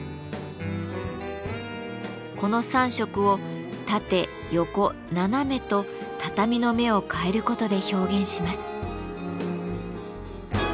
この３色を縦横斜めと畳の目を変えることで表現します。